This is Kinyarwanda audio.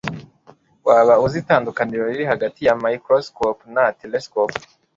waba uzi itandukaniro riri hagati ya microscope na telesikope